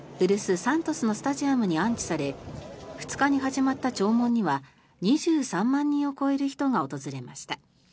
サントスのスタジアムに安置され２日に始まった弔問には２３万人を超える人が訪れました。